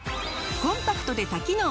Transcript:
コンパクトで多機能！